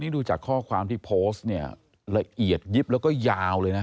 ดูจากข้อความที่โพสต์เนี่ยละเอียดยิบแล้วก็ยาวเลยนะ